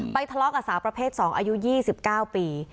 ทะเลาะกับสาวประเภท๒อายุ๒๙ปี